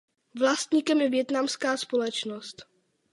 Vlastníkem je vietnamská společnost.